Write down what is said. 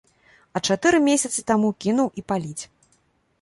А чатыры месяцы таму кінуў і паліць.